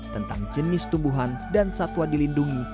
tentang jenis tumbuhan dan satwa dilindungi